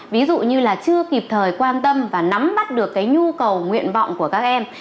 ví dụ như là chưa kịp thời quan tâm và nắm bắt được cái nhu cầu nguyện vọng của các em